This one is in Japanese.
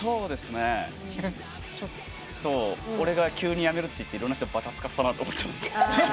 ちょっと俺が急に辞めるっていっていろんな人ばたつかせたなと思って。